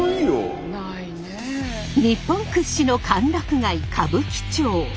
日本屈指の歓楽街歌舞伎町。